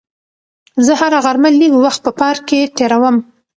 زه هره غرمه لږ وخت په پارک کې تېروم.